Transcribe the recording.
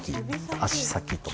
足先とか。